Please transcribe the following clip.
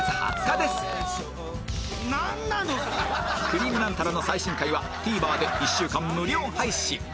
『くりぃむナンタラ』の最新回は ＴＶｅｒ で１週間無料配信